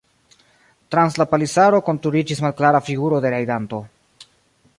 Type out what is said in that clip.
Trans la palisaro konturiĝis malklara figuro de rajdanto.